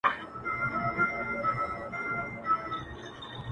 او سر یې د انسان پاتې شې